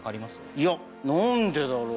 いや何でだろう？